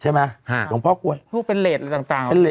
ใช่มั้ยห่วงพ่อกลวยลูกเป็นเลสต่าง